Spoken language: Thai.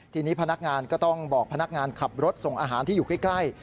ทีนี้พนักงานก็ต้องบอกพนักงานขับรถส่งอาหารที่อยู่ใกล้